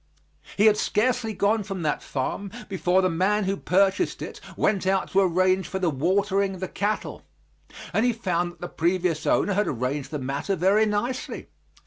He had scarcely gone from that farm before the man who purchased it went out to arrange for the watering the cattle and he found that the previous owner had arranged the matter very nicely.